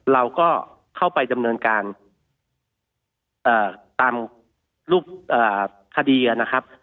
เราก็เข้าไปดำเนินการตามรูปคดีนะครับ